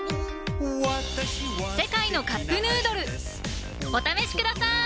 「世界のカップヌードル」お試しください！